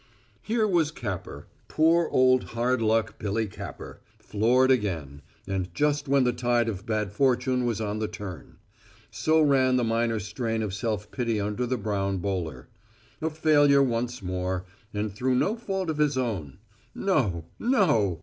Here was Capper poor old Hardluck Billy Capper floored again, and just when the tide of bad fortune was on the turn; so ran the minor strain of self pity under the brown bowler. A failure once more, and through no fault of his own. No, no!